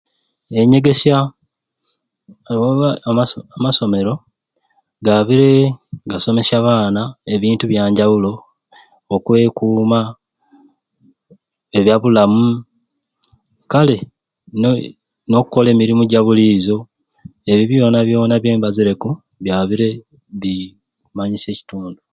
Enyegesya oba amasomero amasomero gabire gasomesya abaana ebintu ebyanjawulo okwekuuma ebyabulamu kale no nokukola emirimu ejabuliizo ebyo byona byona byembazireku byabire bimanyisya ekitundu